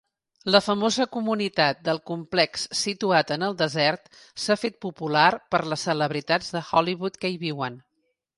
La famosa comunitat del complex situat en el desert s'ha fet popular per les celebritats de Hollywood que hi viuen.